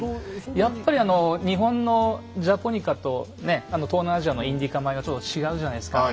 やっぱり日本の「ジャポニカ」と東南アジアの「インディカ米」はちょっと違うじゃないですか。